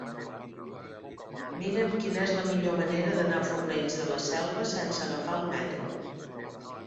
Mira'm quina és la millor manera d'anar a Fornells de la Selva sense agafar el metro.